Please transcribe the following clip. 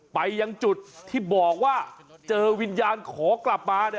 ไปยังจุดที่บอกว่าเจอวิญญาณขอกลับมา